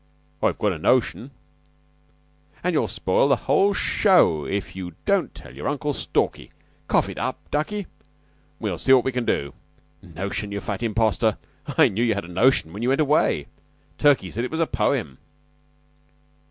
"I've got a notion." "And you'll spoil the whole show if you don't tell your Uncle Stalky. Cough it up, ducky, and we'll see what we can do. Notion, you fat impostor I knew you had a notion when you went away! Turkey said it was a poem."